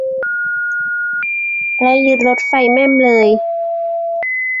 และยึดรถไฟแม่มเลย